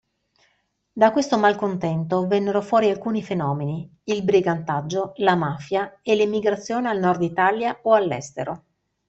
Da questo malcontento vennero fuori alcuni fenomeni: il brigantaggio, la mafia e l'emigrazione al nord Italia o all'estero.